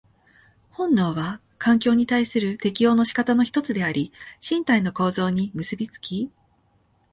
本能は環境に対する適応の仕方の一つであり、身体の構造に結び付き、